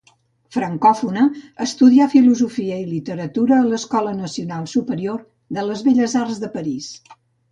Francòfona, estudia filosofia i literatura a l'escola nacional superior de les belles arts de París.